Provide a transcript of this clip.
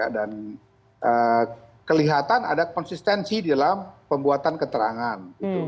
dan kelihatan ada konsistensi dalam pembuatan keterangan